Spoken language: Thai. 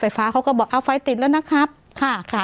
เขาก็บอกเอาไฟติดแล้วนะครับค่ะค่ะ